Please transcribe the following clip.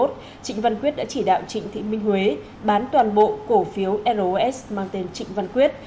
trịnh văn quyết đã chỉ đạo trịnh thị minh huế bán toàn bộ cổ phiếu ros mang tên trịnh văn quyết